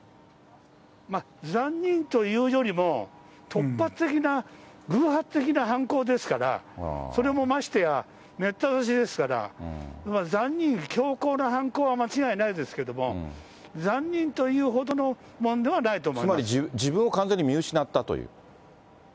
残忍というよりも、突発的な、偶発的な犯行ですから、それもましてや、めった刺しですから、残忍できょうこうな犯行は間違いないですけれども、残忍というほどのものではないと思います。